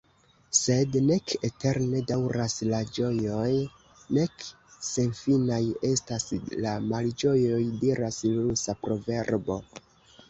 Sed « nek eterne daŭras la ĝojoj, nek senfinaj estas la malĝojoj », diras rusa proverbo.